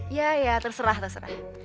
iya ya terserah terserah